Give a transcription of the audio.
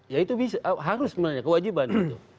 ya itu harus sebenarnya kewajiban gitu